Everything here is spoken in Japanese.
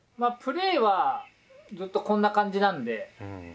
プレーはずっとこんな感じなんで。